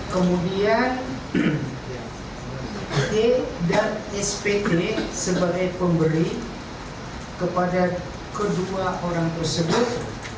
kemudian e dan spb sebagai pemberi kepada kedua orang tersebut